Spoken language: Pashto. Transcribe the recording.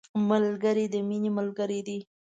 ملګری د مینې ملګری دی